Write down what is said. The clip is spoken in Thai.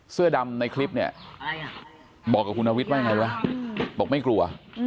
เสื้อดำในคลิปเนี่ยบอกกับคุณนวิทย์ว่ายังไงวะบอกไม่กลัว